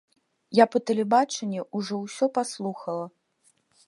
Я па тэлебачанні ўжо ўсё паслухала.